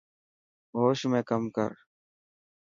هوش ۾ ڪم ڪر.